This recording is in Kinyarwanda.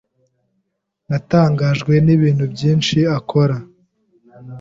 Natangajwe nibintu byinshi akora.